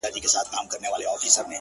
o بيا کرار ؛کرار د بت و خواته گوري؛